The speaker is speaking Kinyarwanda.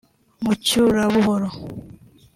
mucyurabuhoro